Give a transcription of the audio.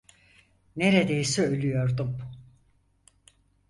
Neredeyse ölüyordum.